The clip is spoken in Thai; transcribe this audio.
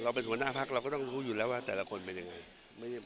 เป็นหัวหน้าพักเราก็ต้องรู้อยู่แล้วว่าแต่ละคนเป็นยังไง